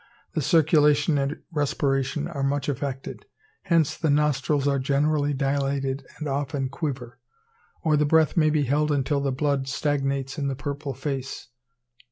The circulation and respiration are much affected. Hence the nostrils are generally dilated and often quiver; or the breath may be held until the blood stagnates in the purple face.